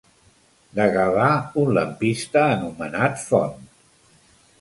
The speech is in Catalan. De Gavà un lampista anomenat Font.